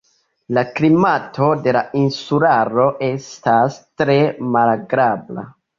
La klimato de la insularo estas tre malagrabla.